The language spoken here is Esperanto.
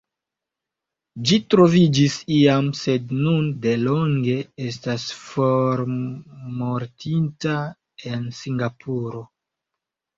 Ĝi troviĝis iam sed nun delonge estas formortinta en Singapuro.